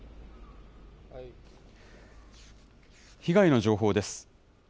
被害の情報です。